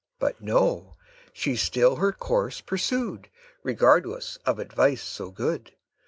But no; she still her course pursued, Regardless of advice so good.